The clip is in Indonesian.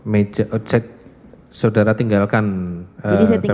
meja oh cek saudara tinggalkan paper bagnya